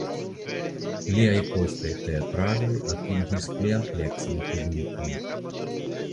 Liaj postaj teatraĵoj atingis pli ampleksan publikon.